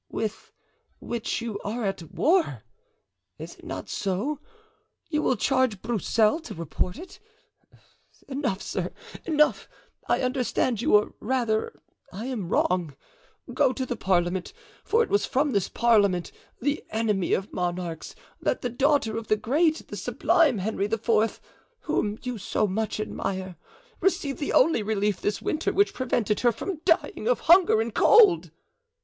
"With which you are at war—is it not so? You will charge Broussel to report it. Enough, sir, enough. I understand you or rather, I am wrong. Go to the parliament, for it was from this parliament, the enemy of monarchs, that the daughter of the great, the sublime Henry IV., whom you so much admire, received the only relief this winter which prevented her from dying of hunger and cold!"